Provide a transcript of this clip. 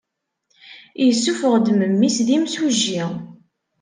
Yessuffeɣ-d memmi-s d imsujji.